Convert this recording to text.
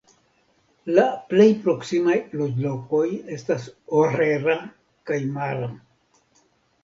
La plej proksimaj loĝlokoj estas Orera kaj Mara.